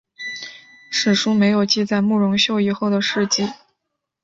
史书没有记载慕容秀以后的事迹。